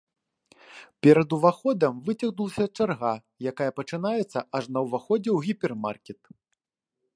Перад уваходам выцягнулася чарга, якая пачынаецца аж на ўваходзе ў гіпермаркет.